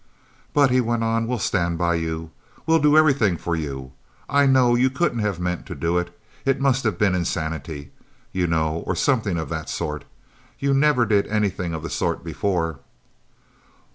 "But," he went on, "we'll stand by you. We'll do everything for you. I know you couldn't have meant to do it, it must have been insanity, you know, or something of that sort. You never did anything of the sort before."